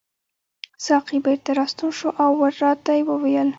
ساقي بیرته راستون شو او راته یې وویل.